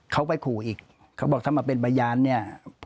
เขาไปขู่อีกเขาบอกถ้ามาเป็นพยานเนี่ย